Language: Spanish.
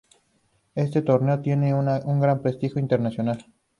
Este torneo tiene un gran prestigio internacional.